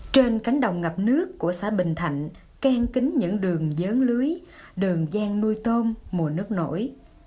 trên cánh đồng ngập nước của xã bình thạnh ken kính những đường dớn lưới đường gian nuôi tôm mùa nước nổi